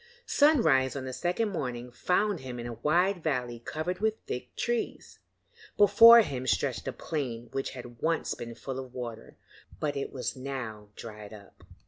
Sunrise on the second morning found him in a wide valley covered with thick trees. Before him stretched a plain which had once been full of water, but it was now dried up.